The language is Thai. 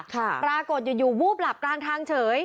ปรากฏอยู่วูบหลับกลางทางเฉย